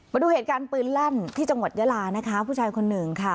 มาดูเหตุการณ์ปืนลั่นที่จังหวัดเยอราผู้ชายคน๑ค่ะ